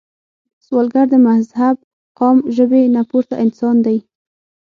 سوالګر د مذهب، قام، ژبې نه پورته انسان دی